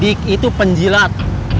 dik dik itu penjilat